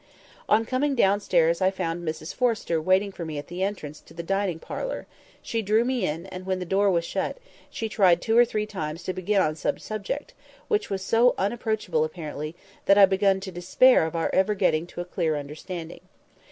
On coming downstairs I found Mrs Forrester waiting for me at the entrance to the dining parlour; she drew me in, and when the door was shut, she tried two or three times to begin on some subject, which was so unapproachable apparently, that I began to despair of our ever getting to a clear understanding.